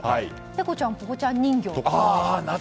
ペコちゃんポコちゃん人形とか。